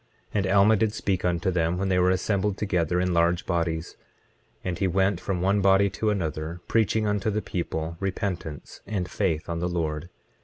25:15 And Alma did speak unto them, when they were assembled together in large bodies, and he went from one body to another, preaching unto the people repentance and faith on the Lord.